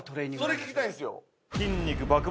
それ聞きたいんですよ。